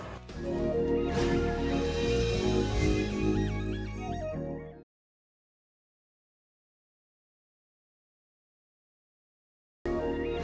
pilih sesuai dengan keuntungan